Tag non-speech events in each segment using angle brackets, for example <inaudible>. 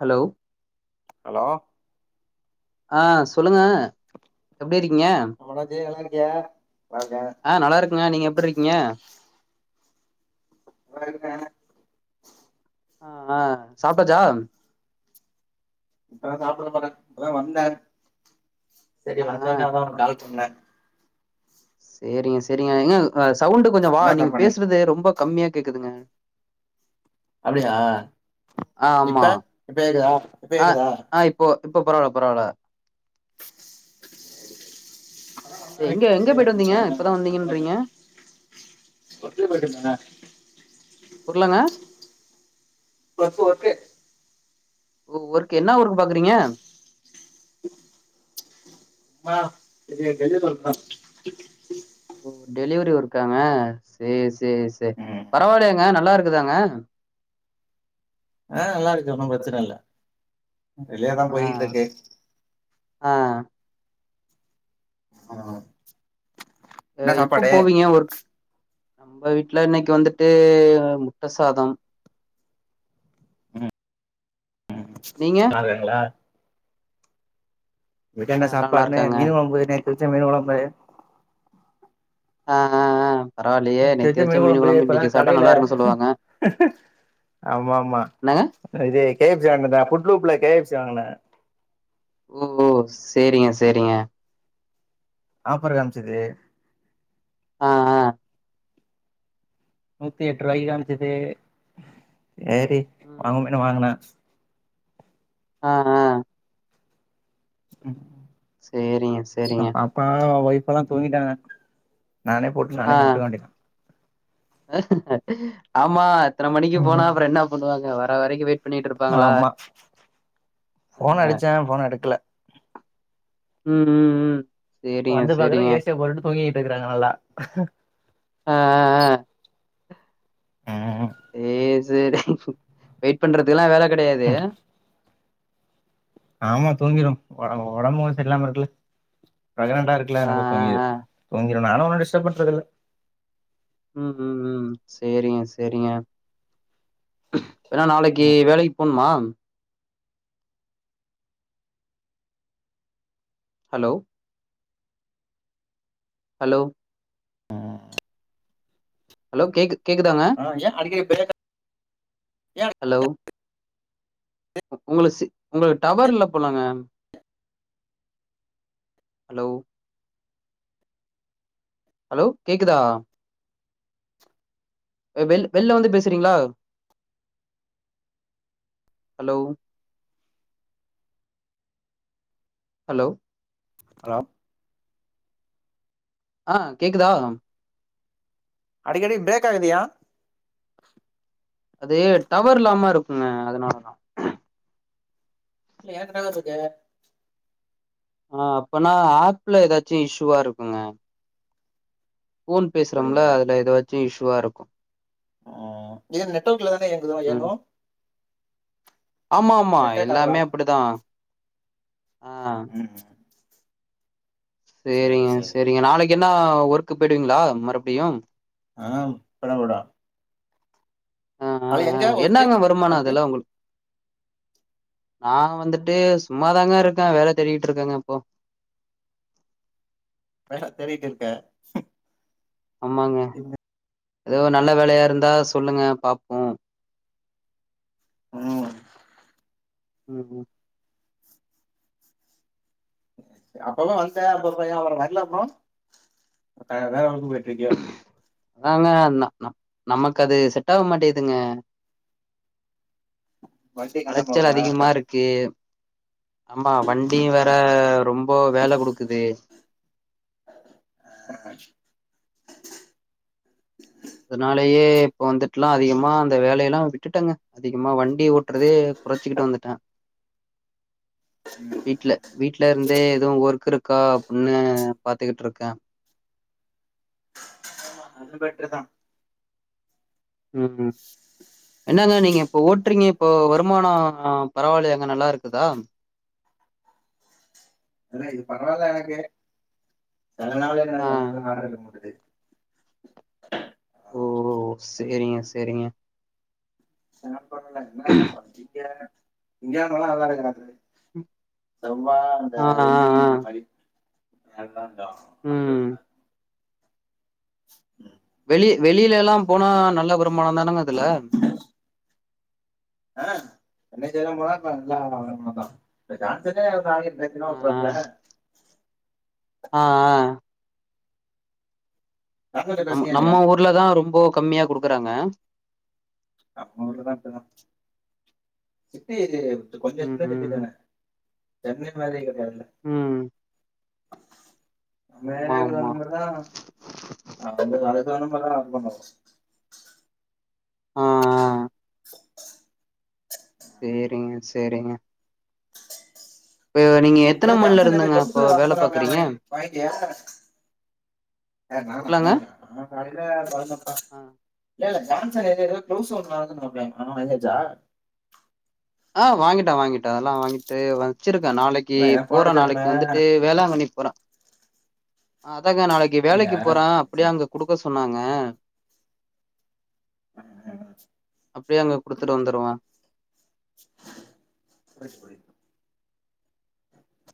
Hello hello ஆ சொல்லுங்க எப்டி இருக்கீங்க ஆமாடா ஜெய் நல்லா இருக்கியா நல்லா இருக்கே ஆ நல்லாயிருக்கங்க நீங்க எப்டிருக்கீங்க <unintelligible> ஆ சாப்ட்டாச்சா இப்பதா சாப்பிட <unintelligible> இப்பதா வந்தே சரி ஆ ஆ வந்தோனே அதா உனக் கால் பண்ணே சரிங்க சரிங்க ஏங்க சவுண்டு கொஞ்ச வா என்ன நீங்க சாப்பாடு பேசுறது ரொம்ப கம்மியா கேக்குதுங்க அப்டியா ஆ ஆமா. இப்ப இப்ப யேக்குதா இப்ப யேக்குதா இப்ப இப்ப பரவால பரவால <unintelligible> எங்க எங்க போயிட்டு வந்தீங்க? இப்பதா வந்தீங்கன்றீங்க. கொத்து போட்டா தின்ன புர்லங்க. <inaudible> ஒர்க் என்ன ஒர்க் பாக்குறீங்க ஆ டெலிவரி வொர்க் தா ஓ டெலிவரி ஒர்க்காங்க சேரி சேரி சேரி ம் பரவாயில்லயாங்க நல்லா இருக்குதாங்க ஆ நல்லா இருக்கு ஒன்னு பிரச்சன இல்ல <unintelligible> ய ஆ தா ஆ போயிட்ருக்கு ஆ ஆ எப்போ போவீங்க ஒர்க் நம்ம வீட்ல இன்னைக்கு வந்துட்டு முட்ட சாதம் நீங்க சரிங்கலா எங்க வீட்ல ஆ என்ன எல்லா நல்லா சாப்பாடுனு இருக்காங்க. மீனு கொழம்பு நேத்து வச்ச மீன் கொழம்பு ஆ ஆ ஆ பரவாயில்லயே! நேத்து வச்ச மீன் கொழம்பு குழம்பு இப்பதா இன்னைக்கு சாப்ட்டா கடையில நல்லா இருக்குன்னு சொல்லுவாங்க. ஆமா ஆமா என்னங்க? இது கே ஃப் சி வாங்கதா புட்லூப்ல கே எஃப் சி வாங்கினே ஓ ஓ சேரிங்க சேரிங்க ஆஃபர் காமிச்சது ஆ ஆ நூத்தி எட்டு ரூவானு காமிச்சது சேரி ம். வாங்குமேனு வாங்கினே ஆ ஆ உ சேரிங்க சேரிங்க பா ஒய்ஃப்ல்லா தூங்கிட்டாங்க நானே போட்டு ஆ. நானே சாப்டுக்க வேண்டியதா ஆமா இத்தன மணிக்கு போனா ம் அப்புற என்ன பண்ணுவாங்க வர வரைக்கு வெயிட் பண்ணிட்டு இருப்பாங்களா? ஆமா ஃபோன் அடிச்சாங்க ஃபோன எடுக்கல உ உ உ வந்து பாக்குறே ஏ சிய போட்டுட்டு தூங்கிட்டு இருக்கறாங்க நல்லா ஆ ஆ ஆ சேரி சேரி வெயிட் பண்றதுக்கலா வேல கடையாது ஆமா தூங்கிரு ஒடம்பு சரியல்லாம இருக்குல்ல ப்ரக்னன்டா இருக்குல்ல ஆ <unintelligible> ஆ தூங்கிது ஆ. தூங்கிரு நானு ஒன்னு டிஸ்ட்டப் பண்றது இல்ல உ உ உ சேரிங்க சேரிங்க ஏன்னா நாளைக்கு வேலை போண்மா ஹலோ ஹலோ ஹலோ கேக்கு கேக்குதாங்க ஆ ஏ அடிக்கடி பிரேக் ஆ ஹலோ உங்களுக் சிக் உங்களுக்கு டவர் இல்ல போலங்க ஹலோ ஹலோ கேக்குதா வெ வெள் வெள்ல வந்து பேசறிங்ளா ஹலோ ஹலோ ஹலோ ஆ கேக்குதா அடிக்கடி பிரேக் ஆகுது ஏ அது டவர் இல்லாம இருக்குங்க அதனாலதா இல்ல எனக்கு டவர் இருக்கே ஆ அப்பனா ஆப்ல எதாச்சி இஷ்யுவா இருக்குங்க ஃபோன் பேசுறம்ல அப்டியா அதுல எதுவாச்சி இஷ்யுவா இருக்கு ம் இது நெட்வொர்க்ல தான இயங்குது இயங்கு ஆமாமா எல்லாமே அப்படிதா ஆ ம் சரி சேரிங்க சரி சரி செரிங்க நாளைக்கு என்னா வொர்க்கு போயிடுவிங்களா மறுபடியும் ஆ போடுவ போடுவ ஆ ஆ ஆ எங்க ஒர்க்கு என்னங்க வருமான உனக்கு அதுல உங்களு நானு வந்துட்டு சும்மாதாங்க இருக்கே வேல தேடிட்டு இருக்கங்க இப்போ வேல தேடிட்டு இருக்க ஆமாங்க இந்த- எதோ நல்ல வேலையா இருந்தா சொல்லுங்க பாப்போ ம் ம் ம் அப்பலா வன்டே அப்றோ ஏ வர்ல ப்ரோ அப்புற வேற வேலைக்கு போயட்டுருக்கிய அதாங்க ந ந நமக்கு அது செட் ஆக மாட்டேதுங்க வண்டி கண்ட அலைச்சல் போகுதா அதிகமா இருக் கு ஆமா வண்டியூ வேற ரொம்ப வேல குடுக்குது அதனாலேயே இப்ப வந்துட்டுலா அதிகமா அந்த வேலையெல்லா விட்டுட்டங்க அதிகமா வண்டி ஓட்டறதே குறைச்சிகிட்டு வந்துட்ட வீட்ல வீட்ல இருந்தே எதுவு ஒர்க் இருக்கா அப்பன்னு பாத்துகிட்டு இருக்கே அதும் பெட்ருதா ம் ம் என்னங்க நீங்க இப்ப ஓட்றிங்க இப்போ வருமான பரவால்லையாங்க நல்லாருக்குதா இல்ல இது பரவால எனக்கு செல நாள் <unintelligible> வேல ஆ இருக்க மாட்டது சேரிங்க செரிங்க திங்க கெழமலா நல்லா இருக்காது செவ்வா அந்த ஆ ஆ வெள்ளி ஆ இந்த மாரி நல்லா ஞ்ச ம் நல்லெண்ண ம் வெளி வெளியில எல்லாம் போனா நல்ல வருமானம் தானங்க அதுல ஆ சென்னைக்கு எல்லாம் போன இப்ப நல்லா வருமானந்தா <unintelligible> ஆ நேத்தின்னா ஆ. ஒட்ராப்ல ஆ ஆ ஜான்சன்ட்ட நம் பேசுனியா இல்லையா நம்ம ஊர்ல தா ரொம்போ கம்மியா குடுக்குறாங்க நம்ம ஊர்லதா அப்டிதா <unintelligible> இது கொஞ்ச ம் சின்ன சிட்டி ம். தான சென்னை மாரி இங்க இருக்காதுல்ல ம். ஆமா, ஆமா. <unintelligible> <unintelligible> ஆ ஆ சேரிங்க சேரிங்க நீங்க எத்தன எதோ மணில ஜான்சன் எதோ இருந்துங்க க்லவுஸ் இப்போ வாங்க வேல போரிப்பிள்ளையா பாக்குறீங்க? வாங்கிட்டியா யாரு ஊர்லங்க? நானா நா காலயில ஆ. <unintelligible> இல்ல இல்ல ஜான்சன் ஏத ஏதோ குளோஸ் ஒன்னு வாங்கனுன் சொன்னாப்ளயே வங்கியாச்சா ஆ வாங்கிட்டோ வாங்கிட்டோ அதல்லா வாங்கிட்டு வ வச்சிருக்கே நாளைக்கி இல்ல எனக்கு ஃபோன் போறே அடிச்சாப்ல நாளைக்கு வந்துட்டு வேளாங்கண்ணி போற அதாங்க நாளைக்கி அப்டியா வேலைக்கி போறே சரி அப்டியே சரி அங்க குடுக்க சொன்னாங்க ஆ அப்டியே அங்க குடுத்துட்டு வந்துருவ புரியிது புரியிது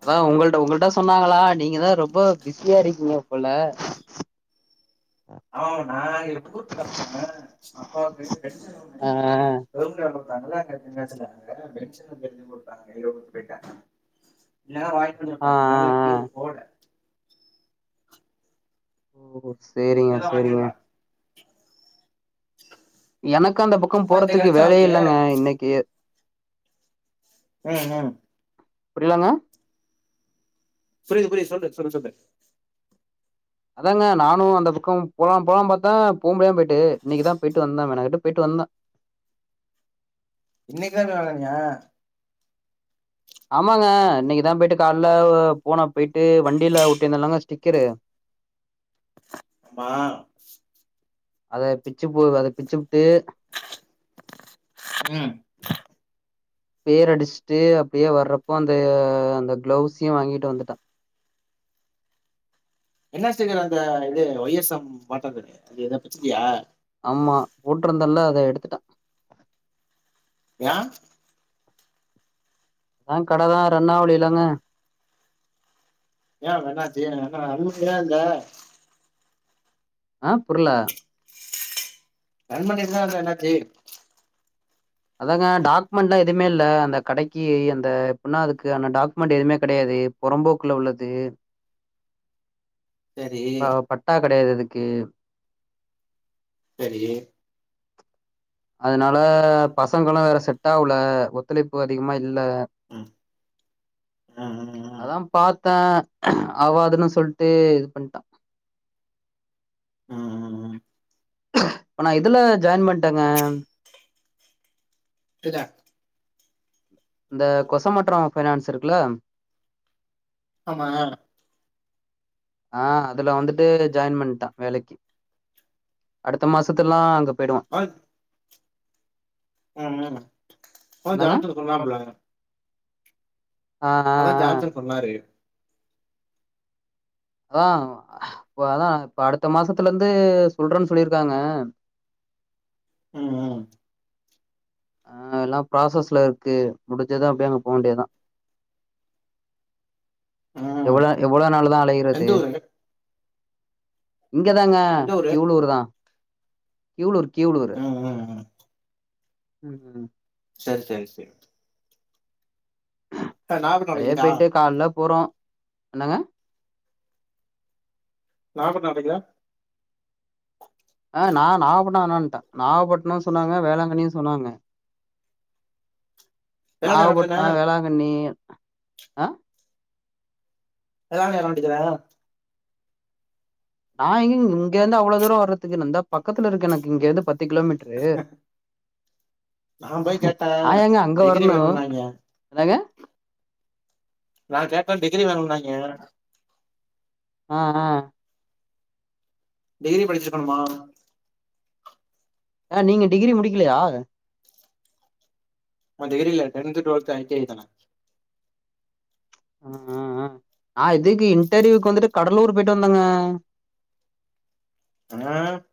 அதா உங்கள்ட உங்கள்ட்ட சொன்னாங்களா நீங்க தா ரொம்ப பிஸியா இருக்கீங்க போல ஆ நா இப்ப ஊருக்கு கெளம்புன அப்பாவுக்கு பென்ஷன் ஒன்னு ஆ ஆ. கவுர்மெண்ட்டு வேல பாத்தாங்கல்ல அங்க <unintelligible> <unintelligible> இன்நேரொ வாங்கி ஆ குடுத்துருப்ப ஆ ரெண்ட் நாளா ஆ எங்கியும் போல ஓ சேரிங்க இல்லனா சேரிங்க வாங்கிருப்பே எனக்கு அந்த பக்கம் அவ இந்த போறதுக்கு கெடச்சா வேலையே அவருக்கு இல்லங்க இன்னக்கி ம் ம் புரிலங்க புரியிது புரியிது சொல்லு சொல்லு சொல்லு அதாங்க நானு அந்த பக்கம் போலா போலாம் பாத்த போ முடியாம பேயிட்டு இன்னைக்குதான் பேயிட்டு வந்த மெனக்கட்டு பேய்ட்டு வந்த இன்னைக்கு தா நீ வர்ரேன்னியா ஆமாங்க இன்னைக்குதா போயிட்டு கால்ல போன போயிட்டு வண்டில ஒட்டி இருந்தேல்லங்க ஸ்டிக்கரு அமா அது பிச்சு போ அத பிச்சிபுட்டு ம் பேர் அடிச்சுட்டு அப்டியே வர்றப்போ அந்த அந்த க்ளௌஸ்ஸயு வாங்கிட்டு வந்துட்ட என்ன ஸ்டிக்கர அந்த இது ஒய் எஸ் எம் மாட்ட அது எத பிச்சிட்டியா ஆமா போட்ருந்தல்ல அத எடுத்துட்ட யா ஆ கடதா ரண்ணாவுலிலங்க ஏ என்ன ஆச்சு <unintelligible> ஆ புர்ல ரன் பண்ணிட்டு தா இருக்கே அன்னாச்சி அதாங்க டாக்குமெண்ட்ல்லா எதுமே இல்ல அந்த கடைக்கி அந்த எப்புண்ணா அதுக்கான டாக்குமெண்ட் எதுமே கடையாது பொறம்போக்குல உள்ளது சரி ஆ பட்டா கெடையாது அதுக்கு செரி அதனால பசங்களு வேற செட் ஆகல ஒத்துழைப்பு அதிகமா இல்ல ம் ம் ம் ம் அதா பாத்தே ஆவாதுன்னு சொல்ட்டு இது பண்ட்ட ம் ம் ம் இப்ப நா இதுல ஜாயின் பண்டங்க <unintelligible> இந்த கொசமற்றோ ஃபினான்ஸ் இருக்குல்ல ஆமா ஆ அதுல வந்துட்டு ஜாயின் பண்ட்டா வேலைக்கி அடுத்த மாசத்துல்லா அங்க போய்டுவோ ஆ ம் ம் அதா என்னங்க? ஜாம்சன் சொன்னாப்புல ஆ ஆ அதா ஜாம்சன் சொன்னாரு அதா இப்ப அதா இப்ப அடுத்த மாசத்துல இருந்து சொல்றன் சொல்லிருக்காங்க ம் ம் ஆ எல்லாம் ப்ராசஸ்ல இருக்கு முடிச்சது அப்டே அங்க போ வேண்டிதா ம் எவ்ளோ எவ்ளோ நாளு தா அழையறது எந்த ஊரு இங்க தாங்க எந்த ஊரு கீவ்ளூர் தா கீவ்ளூர் கீவளூரு ம் ம் ம் ம் ம் செரி செரி செரி அ நாகப்பட்டினம் அட்டே அடிக்கலையா போய்ட்டு கால்ல போறோ என்னங்க நாப்பத் நாளைக்கா ஆ நா நாவ்ப்பட்னோ வேனான்ட்டே நாவ்ப்பட்னோ சொன்னாங்க வேளாங்கண்ணியு சொன்னாங்க வெள்ளாள நாகப்பட்ணோ தான வேளாங்கண்ணி ஆ வேளாங் கேக்க வேண்டிதான நா எங்கங் இங்க இருந்து அவ்ளோ தூர வரதுக்குன்னு இந்தா பக்கத்துல இருக்கு எனக்கு இங்க இந்து பத்து கிலோமீட் டரு நா போய் கேட்டே நா ஏங்க அங்க டிகிரி வர்ணு வேணும்னாய்ங்க என்னங்க நா கேட்டே டிகிரி வேணுன்னாங்கிய ஆ ஆ டிகிரி படிச்சிருக்கணுமா ஆ நீங்க டிகிரி முடிக்லையா நா டிகிரி இல்ல tenth twelfth I T I தான ஆ ஆ ஆ அ இதுக்கு இன்டர்வியூக்கு வந்துட்டு கடலூர் போயிட்டு வந்தங்க என்ன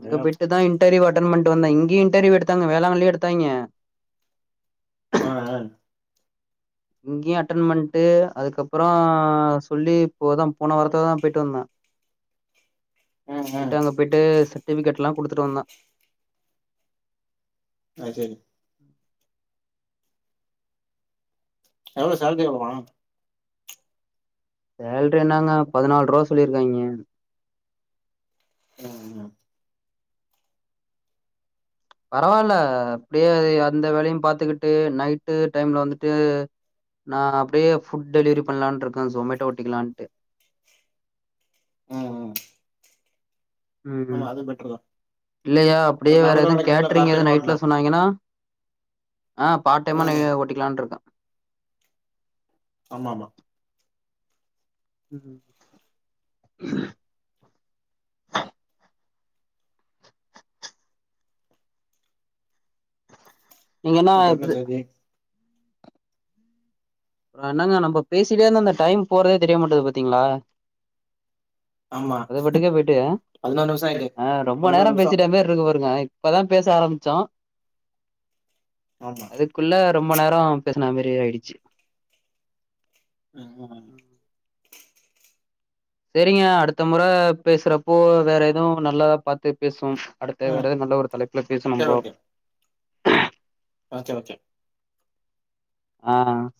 அங்க போய்டு தா இண்டர்வியூ அட்டன் பண்ட்டு வந்த இங்கே இண்டர்வியூ எடுத்தாங்க வேளாங்கண்லியு எடுத்தாங்கே ஆ ஆ இங்கயு அட்டன் பண்ட்டு அதுக்கப்பறோ சொல்லி இப்போ தா போன வாரத்து தா போயிட்டு வந்தே ம் ம் போய்ட்டு அங்க போய்ட்டு சர்டிபிஃகேட்லா குடுத்துட்டு வந்த அதுசேரி எவ்ளோ சேல்ரி குடுப்பானா சேலரி என்னாங்க பதினாலு ரூவா சொல்லியிருக்காங்க ம் ம் பரவாயில்ல அப்டியே அந்த வேலையு பாத்துக்கிட்டு நைட்டு டைம்ல வந்துட்டு நா அப்டியே ஃபுட் டெலிவரி பண்ணலான்னு இருக்கே ஜொமேட்டோ ஒட்டிக்கலான்ட்டு ம் ம் ம் ஆமா அது பெட்ரு இல்லையா ஒரு அப்டியே வேற நானூறு ரூபா எதுவு கிடைக்கும்ல கேட்ரிங் பார்ட் எது டைம் ஓட்டுனா நைட்ல சொன்னாங்கன்னா ஆ பார்ட் டைமா ந ம் ஓட்டிக்கலான்னு இருக்கே ஆமா ஆமா இங்கன்னா அப்புறம் என்ன இது செய்தி அ என்னங்க நம்ம பேசிட்டே இருந்து அந்த டைம் போறதே தெரிய மாட்டது பாத்தீங்களா ஆமா அது பட்டுக்கே போயிட்டு பதினோரு நிமிஷம் ஆயிட்டு ஆ அ ரொம்ப நேரோ பதினோரு நிமிஷம் பேசிட்டே பேர் இருக்கு பாருங்க இப்பதா பேச ஆரம்பிச்சோ ஆமா அதுக்கு அதுக்குள்ள ரொம்ப நேரோ பேசின மாதரி ஆயிடுச்சு <unintelligible> சரிங்க அடுத்த முற பேசுறப்போ வேற எதுவு நல்லாதா பார்த்து பேசுவோ அடுத்து வேற ம் ஏதாவது நல்ல ஒரு தலைப்புல சரி பேசணும்ப்ரோ ஓகே ஓகே ஓகே ஆ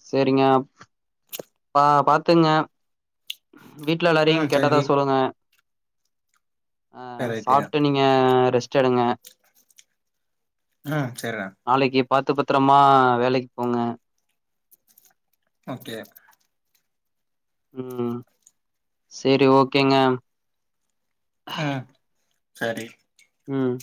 சேரிங்க பா பாத்துங்க வீட்டுல எல்லாரையு ம் கேட்டதா சரி சொல்லுங்க அ சரி ரைட்டு சாப்புட்டு நீங்க ஆ ரெஸ்ட் எடுங்க ம் செரினே நாளைக்கு பாத்து பத்திரமா வேலைக்கு போங்க ஓகே ம் சேரி ஓகேங்க ஆ சரி ம்